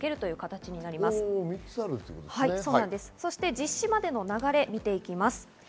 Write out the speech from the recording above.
実施までの流れを見ていきます。